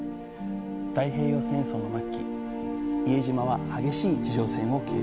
太平洋戦争の末期伊江島は激しい地上戦を経験。